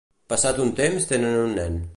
Passat un temps tenen un nen.